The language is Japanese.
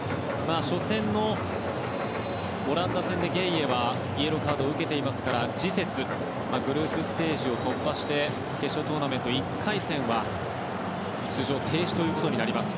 初戦のオランダ戦でゲイエはイエローカードを受けていますから次節、グループステージを突破しても決勝トーナメント１回戦は出場停止ということになります。